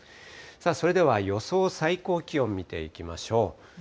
それでは予想最高気温見ていきましょう。